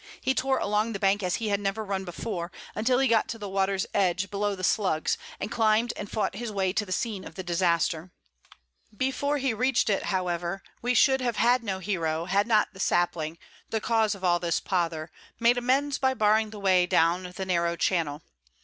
He tore along the bank as he had never run before, until he got to the water's edge below the Slugs, and climbed and fought his way to the scene of the disaster. Before he reached it, however, we should have had no hero had not the sapling, the cause of all this pother, made amends by barring the way down the narrow channel.